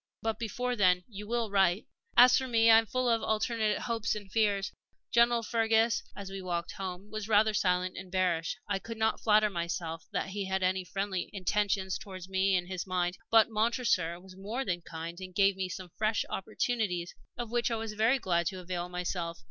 But before then you will write? "As for me, I am full of alternate hopes and fears. General Fergus, as we walked home, was rather silent and bearish I could not flatter myself that he had any friendly intentions towards me in his mind. But Montresor was more than kind, and gave me some fresh opportunities of which I was very glad to avail myself.